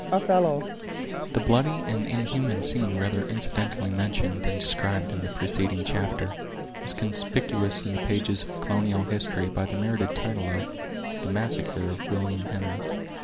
—Othello The bloody and inhuman scene rather incidentally mentioned than described in the preceding chapter, is conspicuous in the pages of colonial history by the merited title of "The Massacre of William Henry."